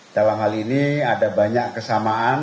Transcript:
dalam hal ini ada banyak kesamaan